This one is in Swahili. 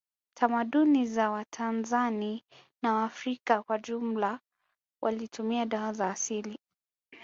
Tamaduni za watanzani na waafrika kwa ujumla walitumia dawa za asili